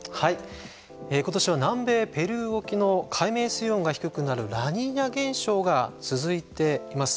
ことしは南米ペルー沖の海面水温が低くなるラニーニャ現象が続いています。